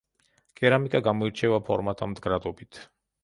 კერამიკა გამოირჩევა ფორმათა მდგრადობით.